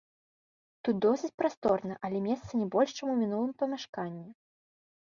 Тут досыць прасторна, але месца не больш, чым у мінулым памяшканні.